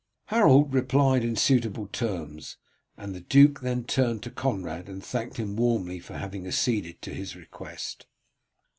Harold replied in suitable terms, and the duke then turned to Conrad and thanked him warmly for having acceded to his request.